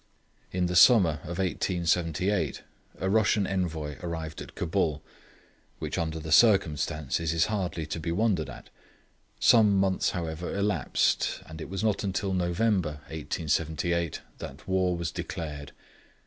In the summer of 1878 a Russian Envoy arrived at Cabul, which under the circumstances is hardly to be wondered at. Some months however elapsed, and it was not until November 1878 that war was declared.